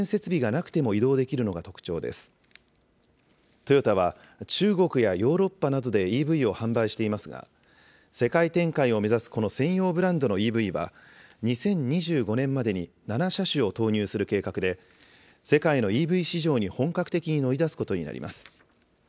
トヨタは中国やヨーロッパなどでＥＶを販売していますが、世界転換を目指すこの専用ブランドのＥＶは、２０２５年までに７車種を投入する計画で、世界のＥＶ市場に本格的に乗り出すことになります。